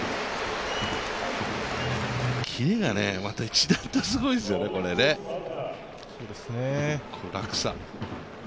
キレがまた一段とすごいですね、この落差。